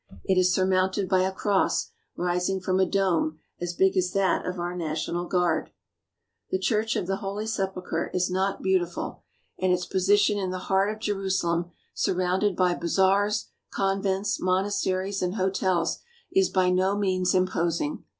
It is surmounted by a cross rising from a dome as big as that of our National Capitol. The Church of the Holy Sepulchre is not beautiful and its 5i THE HOLY LAND AND SYRIA position in the heart of Jerusalem, surrounded by bazaars, convents, monasteries, and hotels, is by no means im posing.